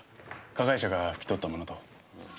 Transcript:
加害者が拭き取ったものと。